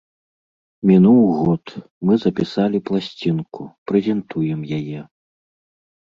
Мінуў год, мы запісалі пласцінку, прэзентуем яе.